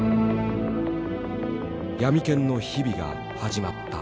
闇研の日々が始まった。